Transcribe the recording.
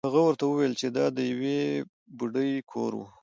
هغه ورته وویل چې دا د یوې بوډۍ کور و.